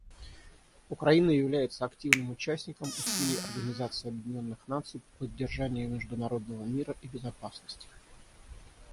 Украина является активным участником усилий Организации Объединенных Наций по поддержанию международного мира и безопасности.